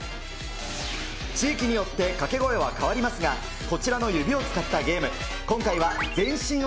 地域によってかけ声は変わりますが、こちらの指を使ったゲーム。